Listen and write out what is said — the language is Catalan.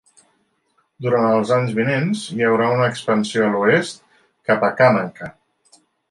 Durant els anys vinents hi haurà una expansió a l'oest cap a Kàmenka.